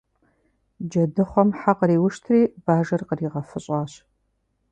Джэдыхъуэм хьэ къриуштри Бажэр къригъэфыщӀащ.